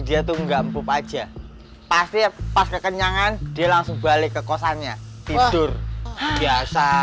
dia tuh enggak empuk aja pasti pas kekenyangan dia langsung balik ke kosannya tidur biasa